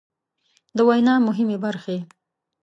د وينا مهمې برخې